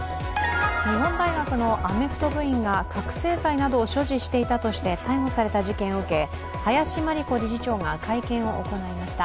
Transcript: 日本大学のアメフト部員が覚醒剤などを所持していたとして逮捕された事件を受け、林真理子理事長が会見を行いました。